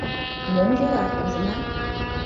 — Мом йӧра, ужына?